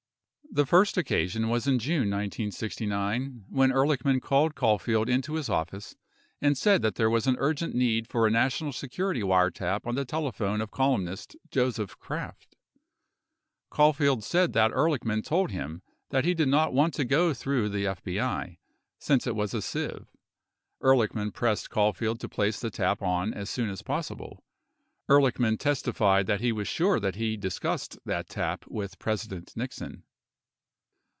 The first occasion was in June 1969 when Ehrlichman called Caul field into his office and said that there was an urgent need for a national security wiretap on the telephone of columnist Joseph Kraft. 15 Caulfield said that Ehrlichman told him that he did not want to go through the FBI, since it. was a sieve. Ehrlichman pressed Caulfield to place the tap on as soon as possible. Ehrlichman testified that he w'as sure that he discussed that tap with President Nixon.